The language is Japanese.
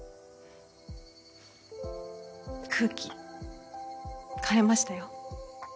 空気変えましたよ。